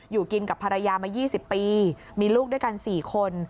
อยู่กินกับภรรยามา๒๐ปีมีลูกด้วยกัน๔คน